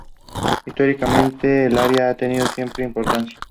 Históricamente, el área ha tenido siempre importancia.